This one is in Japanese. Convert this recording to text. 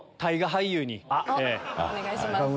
お願いします。